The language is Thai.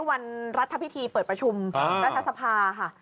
วันรัฐพิธีเปิดประชุมรัฐสภาค่ะ